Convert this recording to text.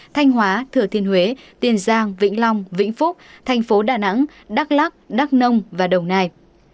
thanh hóa thừa thiên huế tiền giang vĩnh long vĩnh phúc thành phố đà nẵng đắk lắc đắk nông và đồng nai